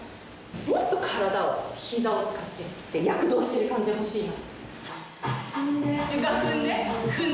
もっと体を膝を使って躍動してる感じが欲しいな。